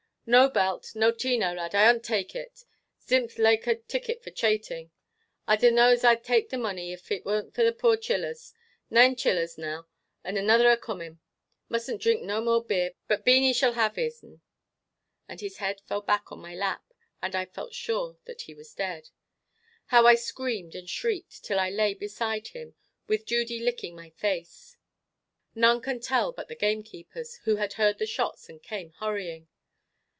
"No belt, no tino lad, I 'ont tak' it. Zimth laike a ticket for chating. I dunno as I'd tak' the mony, if it warn't for the poor chillers, naine chillers now, and anither a coomin. Mustn't drink no more beer, but Beany shall have his'n." And his head fell back on my lap, and I felt sure that he was dead. How I screamed and shrieked, till I lay beside him, with Judy licking my face, none can tell but the gamekeepers, who had heard the shots, and came hurrying.